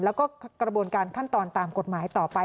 แล้วก็กระบวนการขั้นตอนตามกฎหมายต่อไป